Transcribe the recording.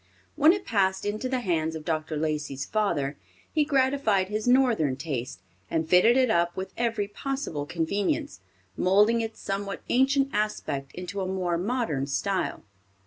When it passed into the hands of Dr. Lacey's father, he gratified his Northern taste, and fitted it up with every possible convenience, molding its somewhat ancient aspect into a more modern style.